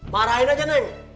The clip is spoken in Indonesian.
marahin aja neng